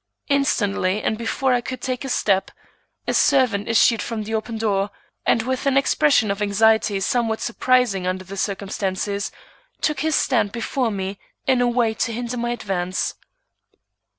Instantly and before I could take a step, a servant issued from the open door, and with an expression of anxiety somewhat surprising under the circumstances, took his stand before me in a way to hinder my advance.